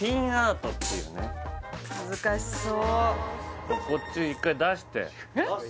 難しそうこっち１回出してえっ？